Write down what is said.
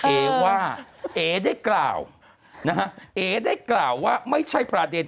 เอ๋ว่าเอ๋ได้กล่าวนะฮะเอ๋ได้กล่าวว่าไม่ใช่ประเด็น